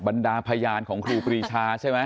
บรรดาพยานของครูปรีชาใช่ไหม